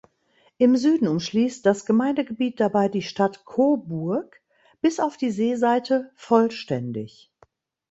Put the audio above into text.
Im Süden umschließt das Gemeindegebiet dabei die Stadt Cobourg bis auf die Seeseite vollständig.